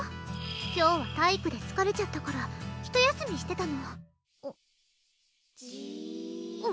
今日は体育でつかれちゃったからひと休みしてたのじーっ